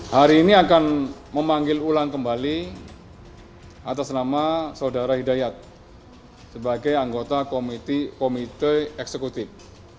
hari ini akan memanggil ulang kembali atas nama saudara hidayat sebagai anggota komite eksekutif